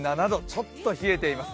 ちょっと冷えています。